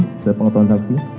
sebagai pengetahuan saksi